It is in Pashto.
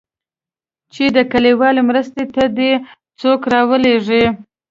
چې د کليوالو مرستې ته دې څوک راولېږي.